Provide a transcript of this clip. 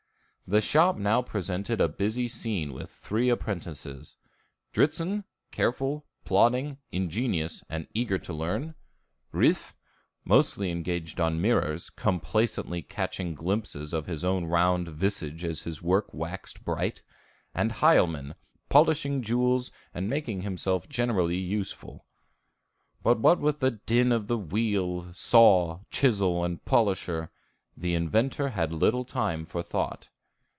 The shop now presented a busy scene with three apprentices, Dritzhn, careful, plodding, ingenious, and eager to learn; Riffe, mostly engaged on mirrors, complacently catching glimpses of his own round visage as his work waxed bright; and Hielman, polishing jewels and making himself generally useful. But what with the din of the wheel, saw, chisel, and polisher, the inventor had little time for thought.